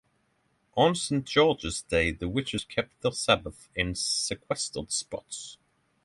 On St. George's Day the witches keep their sabbath in sequestered spots.